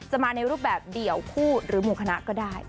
จะมาในรูปแบบเดี่ยวคู่หรือหมู่คณะก็ได้